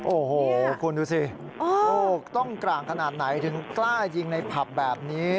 โอ้โหคุณดูสิต้องกลางขนาดไหนถึงกล้ายิงในผับแบบนี้